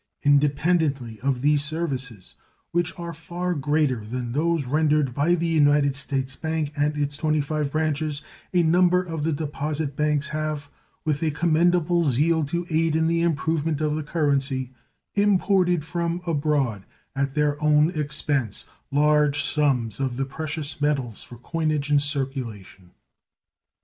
Independently of these services, which are far greater than those rendered by the United States Bank and its 25 branches, a number of the deposit banks have, with a commendable zeal to aid in the improvement of the currency, imported from abroad, at their own expense, large sums of the precious metals for coinage and circulation.